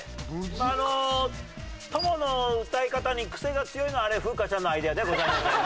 まああのトモの歌い方にクセが強いのは風花ちゃんのアイデアではございません。